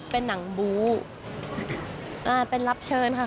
เป็นหนังบูอ่าเป็นรับเชิญค่ะ